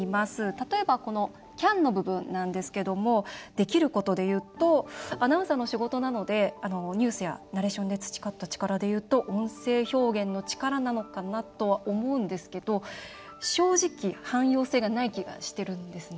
例えば、この「ＣＡＮ」の部分なんですけどもできることでいうとアナウンサーの仕事なのでニュースやナレーションで培った力でいうと「音声表現の力」なのかなとは思うんですけど正直、はん用性がない気がしてるんですね。